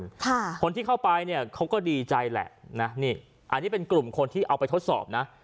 ค่ะคนที่เข้าไปเนี่ยเขาก็ดีใจแหละนะนี่อันนี้เป็นกลุ่มคนที่เอาไปทดสอบนะ